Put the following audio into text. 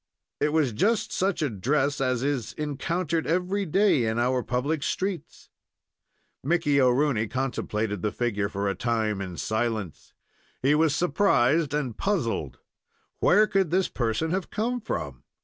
It was just such a dress as is encountered every day in our public streets. Mickey O'Rooney contemplated the figure for a time in silence. He was surprised and puzzled. Where could this person have come from?